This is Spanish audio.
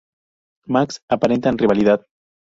Max: Aparentan rivalidad.